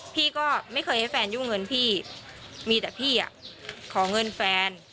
พี่ก็ไม่เคยให้แฟนยุ่งเงินพี่มีแต่พี่อ่ะขอเงินแฟน